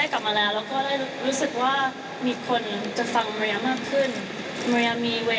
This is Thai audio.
ตอนนี้มิริยาได้กลับมาแล้ว